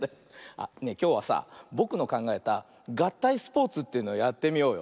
あっねえきょうはさぼくのかんがえたがったいスポーツというのやってみようよ。